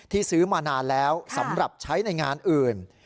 ซื้อมานานแล้วสำหรับใช้ในงานอื่น